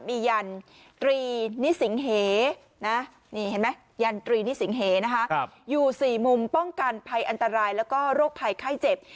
มีแหยั่นตรีนิสิงเหอยู่๔มุมป้องกันไพร์อันตรายและโรคไข้เจ็บ